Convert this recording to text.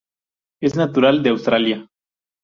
Es natural de Australia.